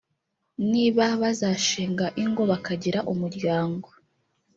niba bazashinga ingo bakagira umuryango